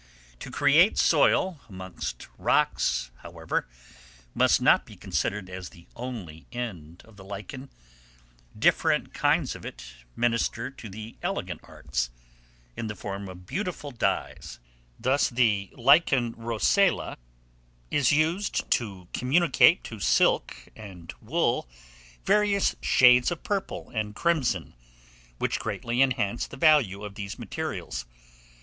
To create soil amongst rocks, however, must not be considered as the only end of the lichen; different kinds of it minister to the elegant arts, in the form of beautiful dyes; thus the lichen rocella is used to communicate to silk and wool, various shades of purple and crimson, which greatly enhance the value of these materials.